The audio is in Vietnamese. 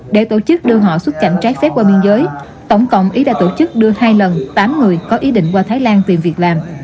để tổ chức đưa họ xuất cảnh trái phép qua biên giới tổng cộng ý đã tổ chức đưa hai lần tám người có ý định qua thái lan tìm việc làm